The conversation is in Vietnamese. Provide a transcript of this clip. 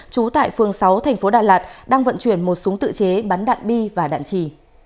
trú tại phương sáu tp đà lạt đang vận chuyển một súng tự chế bắn đạn bi và đạn trì